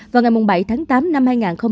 vào ngày bảy tháng tám năm hai nghìn hai mươi